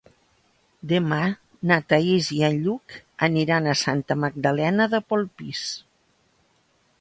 Demà na Thaís i en Lluc aniran a Santa Magdalena de Polpís.